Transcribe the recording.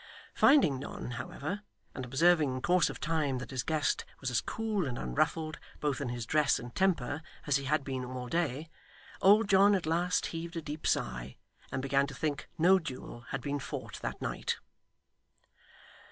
Finding none, however, and observing in course of time that his guest was as cool and unruffled, both in his dress and temper, as he had been all day, old John at last heaved a deep sigh, and began to think no duel had been fought that night.